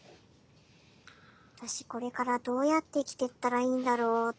私これからどうやって生きてったらいいんだろうって。